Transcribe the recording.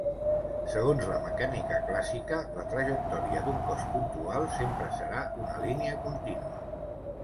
Segons la mecànica clàssica, la trajectòria d'un cos puntual sempre serà una línia contínua.